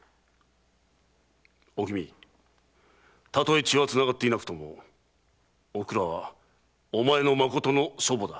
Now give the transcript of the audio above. おきみたとえ血はつながっていなくともおくらはお前のまことの祖母だ。